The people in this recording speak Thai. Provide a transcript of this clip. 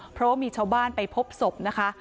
เพราะว่ามีชาวบ้านไปพบศพนะคะ